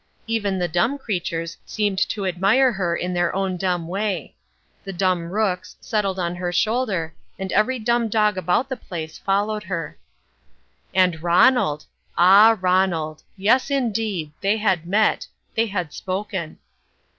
Even the dumb creatures seemed to admire her in their own dumb way. The dumb rooks settled on her shoulder and every dumb dog around the place followed her. And Ronald! ah, Ronald! Yes, indeed! They had met. They had spoken.